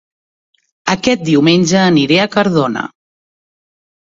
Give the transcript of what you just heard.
Aquest diumenge aniré a Cardona